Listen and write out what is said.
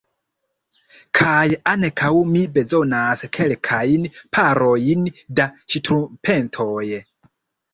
Kaj ankaŭ mi bezonas kelkajn parojn da ŝtrumpetoj.